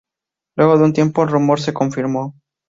Luego de un tiempo, el rumor se confirmó.